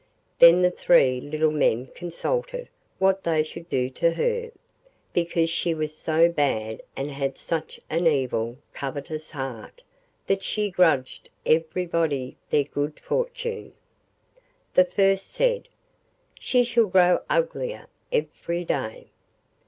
Then the three little men consulted what they should do to her, because she was so bad and had such an evil, covetous heart, that she grudged everybody their good fortune. The first said: 'She shall grow uglier every day.